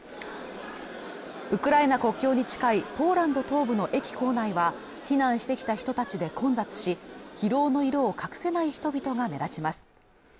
ウクライナ国境に近いポーランド東部の駅構内は避難してきた人たちで混雑し疲労の色を隠せない人々が目立ちます